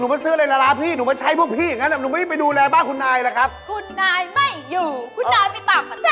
คุณนุ้ยลงมาหาอะไรเมื่อกลางคืนอย่างนี้